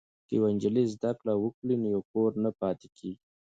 که یوه نجلۍ زده کړه وکړي نو یو کور نه پاتې کیږي.